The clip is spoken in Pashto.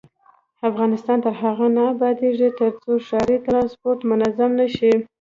افغانستان تر هغو نه ابادیږي، ترڅو ښاري ترانسپورت منظم نشي.